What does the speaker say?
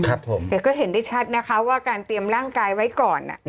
แต่ก็เห็นได้ชัดนะคะว่าการเตรียมร่างกายไว้ก่อน